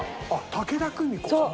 武田久美子さん？